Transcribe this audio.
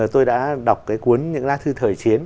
tôi đã đọc cái cuốn những lá thư thời chiến